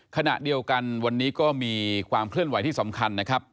ขณะเดียวกันวันนี้ก็มีความเคลื่อนไหวที่สำคัญนะครับ